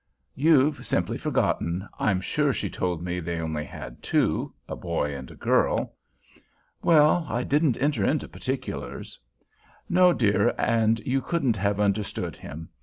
"You've simply forgotten. I'm sure she told me they had only two—a boy and a girl." "Well, I didn't enter into particulars." "No, dear, and you couldn't have understood him.